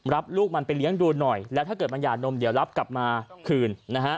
ลูกมันไปเลี้ยงดูหน่อยแล้วถ้าเกิดมันหย่านมเดี๋ยวรับกลับมาคืนนะฮะ